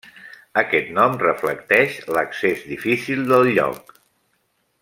Aquest nom reflecteix l'accés difícil del lloc.